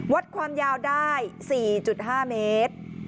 วัดความยาวได้๔๕เมตร